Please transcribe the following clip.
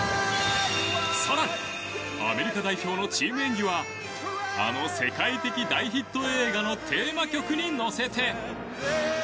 更にアメリカ代表はあの世界的大ヒット映画のテーマ曲に乗せて。